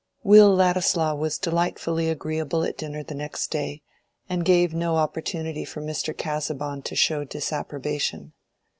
Will Ladislaw was delightfully agreeable at dinner the next day, and gave no opportunity for Mr. Casaubon to show disapprobation.